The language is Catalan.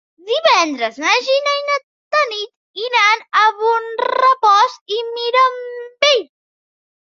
Divendres na Gina i na Tanit iran a Bonrepòs i Mirambell.